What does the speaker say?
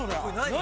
何？